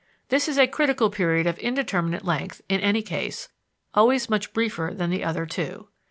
_ This is a critical period of indeterminate length, in any case, always much briefer than the other two.